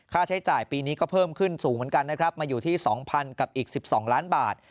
ใช้จ่ายปีนี้ก็เพิ่มขึ้นสูงเหมือนกันนะครับมาอยู่ที่๒๐๐๐กับอีก๑๒ล้านบาท